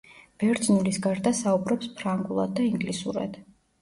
ბერძნულის გარდა საუბრობს ფრანგულად და ინგლისურად.